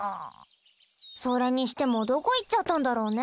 それにしてもどこ行っちゃったんだろうね